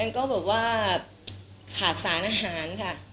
ก็แบบว่าขาดสารอาหารค่ะ